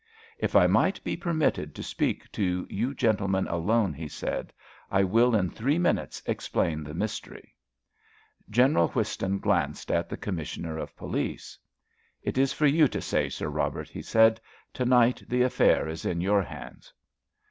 "If I might be permitted to speak to you gentlemen alone," he said, "I will in three minutes explain the mystery." General Whiston glanced at the Commissioner of Police. "It is for you to say, Sir Robert," he said. "To night the affair is in your hands."